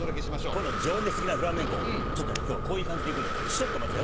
この情熱的なフラメンコを今日はこういう感じでいくんでちょっと待っててよ